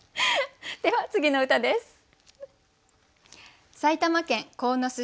では次の歌です。